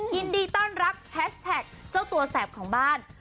ยินดีต้อนรับแฮชแท็กเจ้าตัวแสบของบ้าน